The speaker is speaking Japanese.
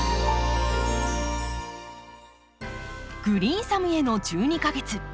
「グリーンサムへの１２か月」。